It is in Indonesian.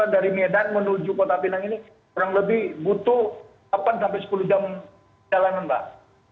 dari medan menuju kota pinang ini kurang lebih butuh delapan sepuluh jam jalanan mbak